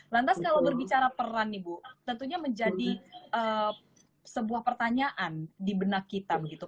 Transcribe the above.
lantas kalau berbicara peran nih bu tentunya menjadi sebuah pertanyaan di benak kita begitu